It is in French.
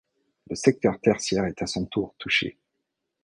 Le secteur tertiaire est à son tour touché.